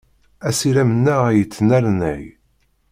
Asirem-nneɣ ad yettnernay.